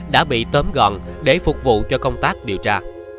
đã bị tấm gọn để phục vụ cho công tác điều tra